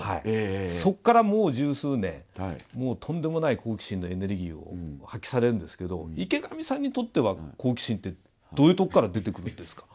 そっからもう十数年もうとんでもない好奇心のエネルギーを発揮されるんですけど池上さんにとっては好奇心ってどういうとこから出てくるんですか？